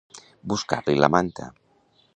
Buscar-li la manta.